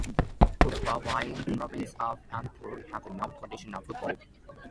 The province of Antwerp has an old tradition of football.